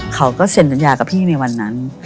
เขาก็เซ็นสัญญากับพี่ในวันนั้น